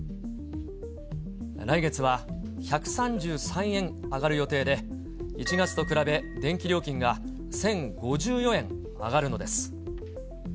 来月は１３３円上がる予定で、１月と比べ、電気料金が１０５４円上がるのです。